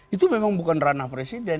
itu memang bukan ranah presiden